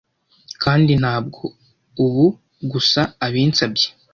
Kandi ntabwo ubu gusa ubinsabye